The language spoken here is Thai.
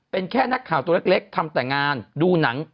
เป็นแค่นักข่าวตัวเล็กทำแต่งานดูหนัง